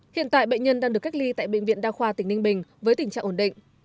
hiện tại bệnh nhân đang được cách ly tại bệnh viện đa khoa tỉnh ninh bình với tình trạng ổn định